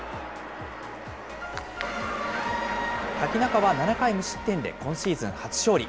瀧中は７回無失点で今シーズン初勝利。